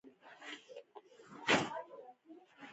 هغه اس ته د ځغاستې میدان کې تمرین ورکاوه.